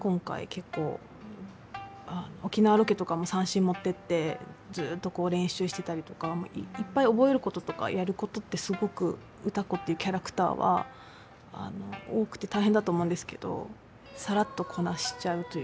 沖縄ロケとかも三線持ってってずっと練習してたりとかいっぱい覚えることとかやることってすごく歌子っていうキャラクターは多くて大変だと思うんですけどさらっとこなしちゃうというか。